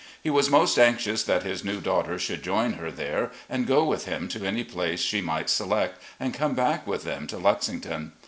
He was most anxious that his new daughter should join her there and go with him to any place she might select, and come back with them to Lexii^on.